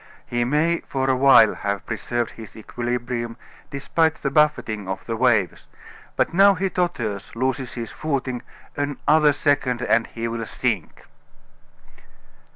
He may for a while have preserved his equilibrium, despite the buffeting of the waves, but now he totters, loses his footing another second, and he will sink!